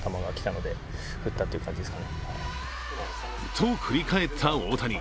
と振り返った大谷。